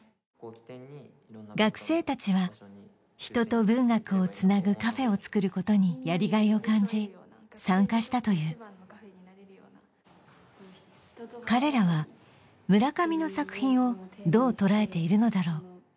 学生たちは人と文学をつなぐカフェをつくることにやりがいを感じ参加したという彼らは村上の作品をどう捉えているのだろう？